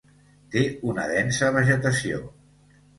Té una densa vegetació.